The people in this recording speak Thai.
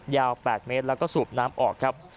ยาว๘เมตรแล้วก็สูบน้ำออกครับ